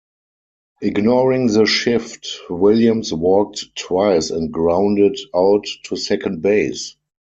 Ignoring the shift, Williams walked twice and grounded out to second base.